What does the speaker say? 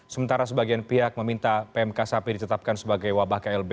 sementara sebagian pihak meminta pmk sapi ditetapkan sebagai wabah klb